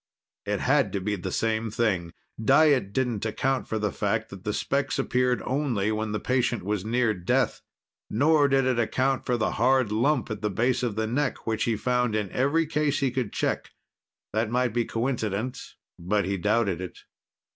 It had to be the same thing. Diet didn't account for the fact that the specks appeared only when the patient was near death. Nor did it account for the hard lump at the base of the neck which he found in every case he could check. That might be coincidence, but he doubted it.